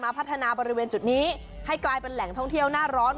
พัฒนาบริเวณจุดนี้ให้กลายเป็นแหล่งท่องเที่ยวหน้าร้อน